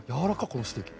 このステーキ。